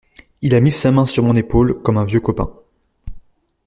Il a mis sa main sur mon épaule, comme un vieux copain.